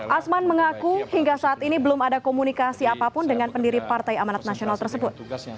asman mengaku hingga saat ini belum ada komunikasi apapun dengan pendiri partai amanat nasional tersebut